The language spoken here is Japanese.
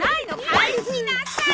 返しなさい！